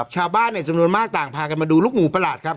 ชาวบ้านในจำนวนมากต่างพากันมาดูลูกหมูประหลาดครับ